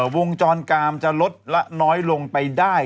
วงจรกามจะลดละน้อยลงไปได้